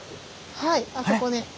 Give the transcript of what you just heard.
はいあそこに。